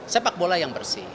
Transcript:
sepak bola yang bersih